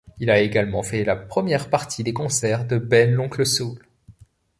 Il a également fait la première partie des concerts de Ben l'oncle soul.